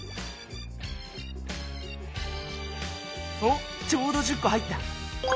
おちょうど１０こ入った！